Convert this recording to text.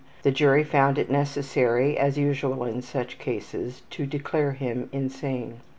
The jury found it necessary, as usual in such cases, to declare him insane.